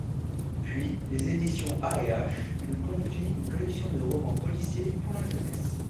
Puis les Editions A&H lui confient une collection de romans policiers pour la jeunesse.